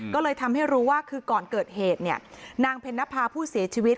ก็เลยทำให้รู้ว่าคือก่อนเกิดเหตุเนี่ยนางเพ็ญนภาผู้เสียชีวิต